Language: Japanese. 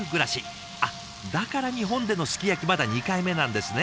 あっだから日本でのすき焼きまだ２回目なんですね。